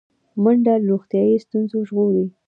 منډه له روغتیایي ستونزو ژغوري